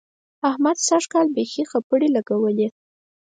احمد سږ کال بېخي خپړې لګوي.